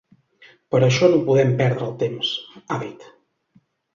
“Per això no podem perdre temps”, ha dit.